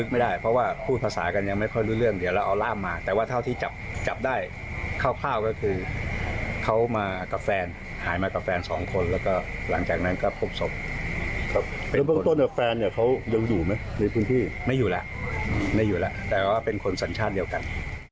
ไม่อยู่แล้วไม่อยู่แล้วแต่ว่าเป็นคนสัญชาติเดียวกัน